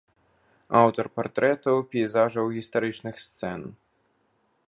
Аўтар партрэтаў, пейзажаў, гістарычных сцэн.